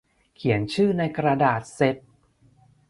เขียนชื่อในกระดาษเสร็จ